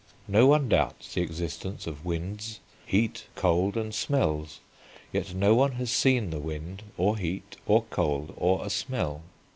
No one doubts the existence of winds, heat, cold and smells; yet no one has seen the wind, or heat, or cold, or a smell.